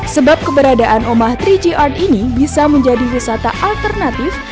sebab keberadaan omah tiga g art ini bisa menjadi wisata alternatif